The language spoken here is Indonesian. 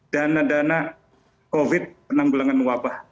dana dana covid penanggulangan wabah